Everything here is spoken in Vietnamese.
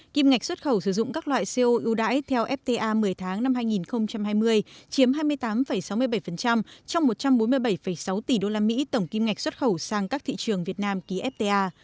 kim ngạch xuất khẩu sử dụng các loại co ưu đãi theo fta một mươi tháng năm hai nghìn hai mươi chiếm hai mươi tám sáu mươi bảy trong một trăm bốn mươi bảy sáu tỷ usd tổng kim ngạch xuất khẩu sang các thị trường việt nam ký fta